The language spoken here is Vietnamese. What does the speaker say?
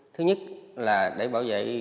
thứ nhất là để bảo vệ